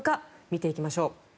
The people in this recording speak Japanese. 見ていきましょう。